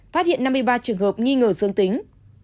phát hiện năm mươi ba trường hợp nghi ngờ dương tính